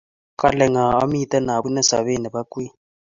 kale ngo amiten abunee sobet nebo kwen